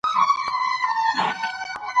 ازادي راډیو د روغتیا په اړه د نوښتونو خبر ورکړی.